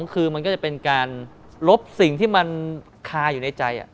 คือมันก็จะเป็นการลบสิ่งที่มันคาอยู่ในใจ